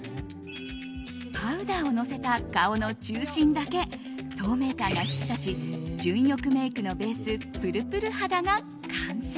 パウダーをのせた顔の中心だけ透明感が引き立ち純欲メイクのベースプルプル肌が完成。